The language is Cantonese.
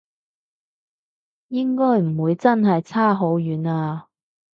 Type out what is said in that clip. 應該唔會真係差好遠啊？